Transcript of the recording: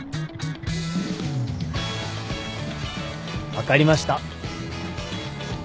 分かりました。